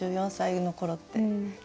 １４歳の頃って。